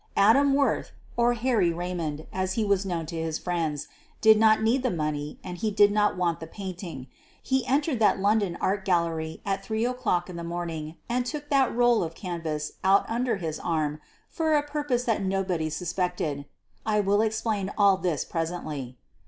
Adam Worth, or Harry Raymond, as he was known to his friends, did not need the money and he did not want the painting — he entered that London art gallery at 3 o'clock in the morning and took that roll of canvas 38 SOPHIE LYONS out under his arm for a purpose that nobody sus pected. I will explain all this presently.